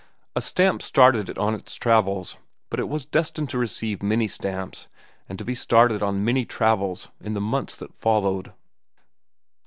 A stamp started it on its travels, but it was destined to receive many stamps and to be started on many travels in the months that followed.